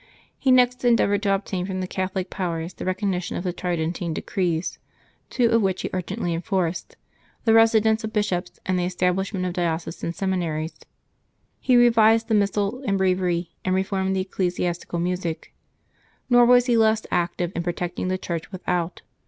He next endeavored to obtain from the Catholic powers the recognition of the Tridentine decrees, two of which he urgently enforced — the residence of bishops, and the estab lishment of diocesan seminaries. He revised the Missal and Breviary, and reformed the ecclesiastical music. Nor was he less active in protecting the Church without.